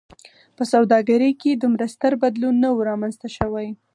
په سوداګرۍ کې دومره ستر بدلون نه و رامنځته شوی.